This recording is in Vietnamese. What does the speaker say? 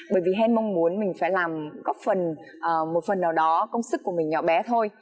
bởi vì hen mong muốn mình phải làm góp phần một phần nào đó công sức của mình nhỏ bé thôi